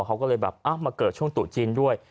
เขาก็เลยแบบมาเกิดช่วงตุจีนด้วย